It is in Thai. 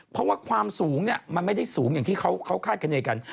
เพราะว่าความสูงเนี่ยมันไม่ได้สูงอย่างที่เขาคาดคณีกัน